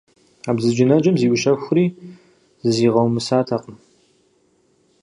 А бзаджэнаджэм зиущэхури зызигъэумысатэкъыми.